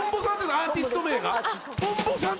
アーティスト名が？